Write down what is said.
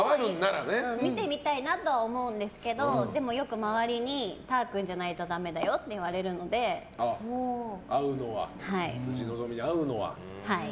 見てみたいとは思うんですけどでも、よく周りにたぁ君じゃないとだめだよって辻希美に合うのは。